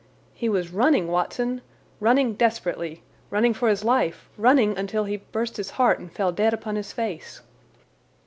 "He was running, Watson—running desperately, running for his life, running until he burst his heart—and fell dead upon his face."